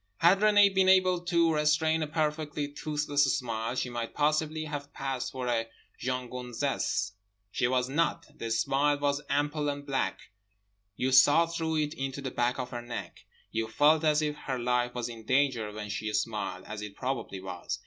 Had Renée been able to restrain a perfectly toothless smile she might possibly have passed for a jeune gonzesse. She was not. The smile was ample and black. You saw through it into the back of her neck. You felt as if her life was in danger when she smiled, as it probably was.